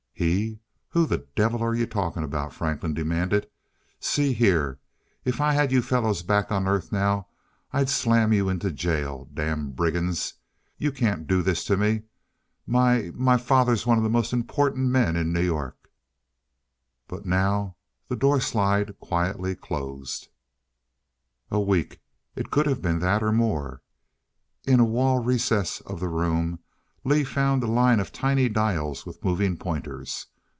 "He? Who the devil are you talking about?" Franklin demanded. "See here, if I had you fellows back on Earth now I'd slam you into jail. Damned brigands. You can't do this to me! My my father's one of the most important men in New York " But now the doorslide quietly closed. A week? It could have been that, or more. In a wall recess of the room Lee found a line of tiny dials with moving pointers.